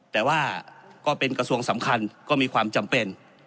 แต่ว่าก็เป็นกระทรวงสำคัญก็มีความจำเป็น